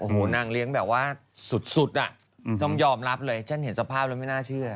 โอ้โหนางเลี้ยงแบบว่าสุดอ่ะต้องยอมรับเลยฉันเห็นสภาพแล้วไม่น่าเชื่อ